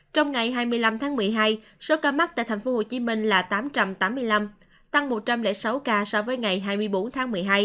trong ngày hai mươi năm tháng một mươi hai số ca mắc tại tp hcm là tám trăm tám mươi năm tăng một trăm linh sáu ca so với ngày hai mươi bốn tháng một mươi hai